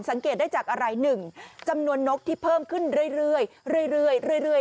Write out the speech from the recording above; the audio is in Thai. สังเกตได้จากอะไร๑จำนวนนกที่เพิ่มขึ้นเรื่อย